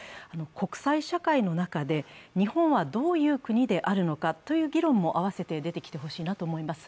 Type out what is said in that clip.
国際社会の中で日本はどういう国であるのかという議論も併せて出てきてほしいなと思います。